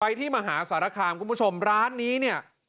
ที่มหาสารคามคุณผู้ชมร้านนี้เนี่ย